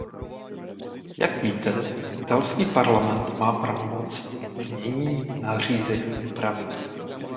Jak víte, italský parlament má pravomoc znění nařízení upravit.